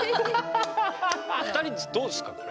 ２人どうですか？